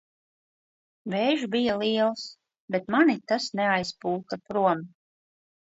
Vējš bija liels, bet mani tas neaizpūta prom.